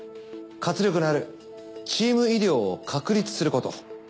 活力のあるチーム医療を確立すること。